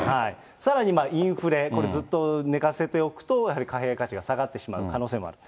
さらにインフレ、これずっと寝かせておくと、やはり貨幣価値が下がってしまう可能性もある。